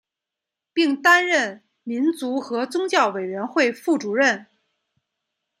并担任民族和宗教委员会副主任。